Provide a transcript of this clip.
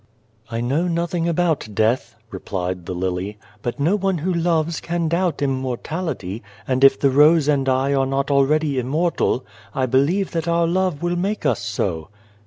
1 60 The Garden of God " I know nothing about death," replied the lily, "but no one who loves can doubt im mortality, and if the rose and I are not already immortal, I believe that our love will make us so."